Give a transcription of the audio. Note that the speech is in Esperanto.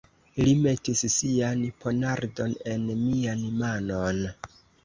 Li metis sian ponardon en mian manon.